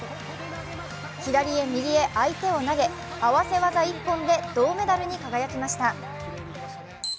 左へ右へ相手を投げ、合わせ技一本で銅メダルに輝きました。